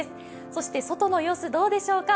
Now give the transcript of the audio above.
そして外の様子どうでしょうか？